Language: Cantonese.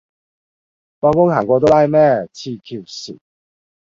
放工行過都拉咩，痴 Q 線